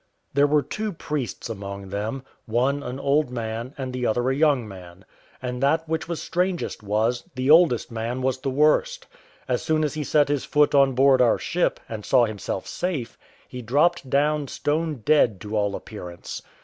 There were two priests among them: one an old man, and the other a young man; and that which was strangest was, the oldest man was the worst. As soon as he set his foot on board our ship, and saw himself safe, he dropped down stone dead to all appearance.